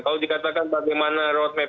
kalau dikatakan bagaimana road map